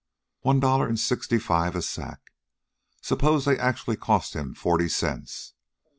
One dollar and sixty five a sack. Suppose they actually cost him forty cents.